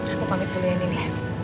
aku panggil kuliah nini